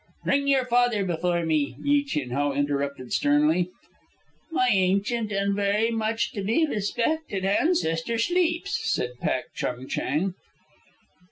"Bring your father before me," Yi Chin Ho interrupted sternly. "My ancient and very much to be respected ancestor sleeps," said Pak Chung Chang.